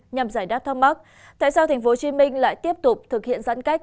nhằm giải đáp thông bác tại sao thành phố hồ chí minh lại tiếp tục thực hiện giãn cách